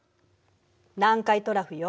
南海トラフよ。